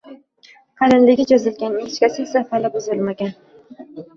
Qalinligi cho'zilgan, ingichkasi esa hali buzilmagan